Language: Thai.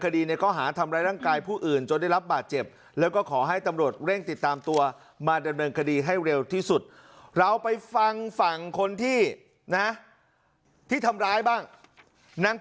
ดีให้เร็วที่สุดเราไปฟังฝั่งคนที่นะที่ทำร้ายบ้างนาง